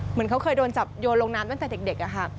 เหมือนเขาเคยโดนจับโยนลงน้ำตั้งแต่เด็กอะค่ะ